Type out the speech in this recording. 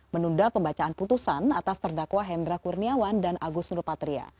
menunda pembacaan putusan atas terdakwa hendra kurniawan dan agus nurpatria